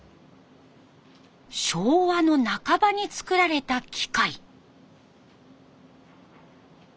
昭和の半ばに作られた機械。